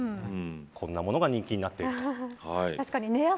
こんなものが人気になっていると。